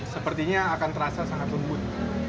sepertinya akan terasa sangat lembut